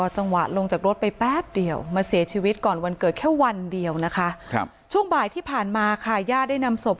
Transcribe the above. มันจะได้พูดคุยกันนะครับ